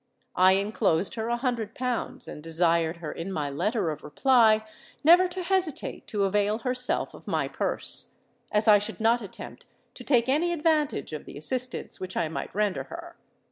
I enclosed her a hundred pounds, and desired her in my letter of reply never to hesitate to avail herself of my purse—as I should not attempt to take any advantage of the assistance which I might render her.